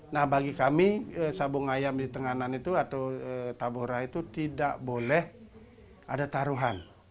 nah bagi kami sabung ayam di tenganan itu atau tabora itu tidak boleh ada taruhan